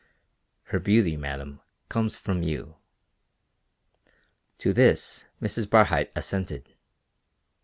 "Her beauty, madam, comes from you." To this Mrs. Barhyte assented.